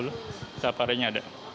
setiap harinya ada